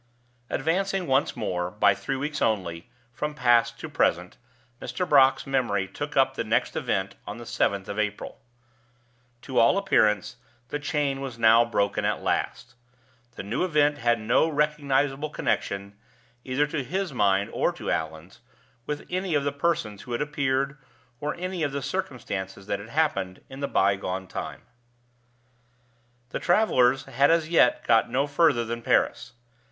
Advancing once more, by three weeks only, from past to present, Mr. Brock's memory took up the next event on the seventh of April. To all appearance, the chain was now broken at last. The new event had no recognizable connection (either to his mind or to Allan's) with any of the persons who had appeared, or any of the circumstances that had happened, in the by gone time. The travelers had as yet got no further than Paris.